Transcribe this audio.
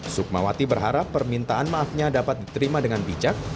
sukmawati berharap permintaan maafnya dapat diterima dengan bijak